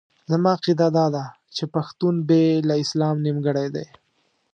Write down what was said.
زما عقیده داده چې پښتون بې له اسلام نیمګړی دی.